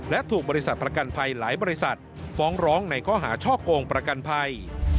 และถูกบริษัทประกันภัยหลายบริษัทฟ้องร้องในข้อหาช่อโกงประกันภัย